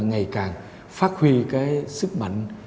ngày càng phát huy cái sức mạnh